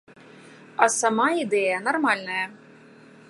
А сама ідэя нармальная.